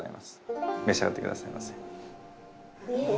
召し上がって下さいませ。